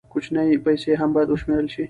کوچنۍ پیسې هم باید وشمېرل شي.